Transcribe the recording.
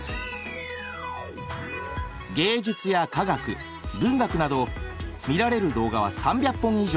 芸術や科学文学など見られる動画は３００本以上。